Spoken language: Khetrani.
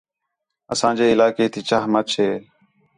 اساں جے علاقے تی چاہ مچھ ہے